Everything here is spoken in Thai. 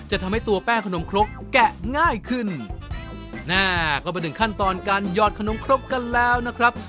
จะทำให้ตัวแป้งขนมครกแกะง่ายขึ้นหน้าก็มาถึงขั้นตอนการหยอดขนมครกกันแล้วนะครับ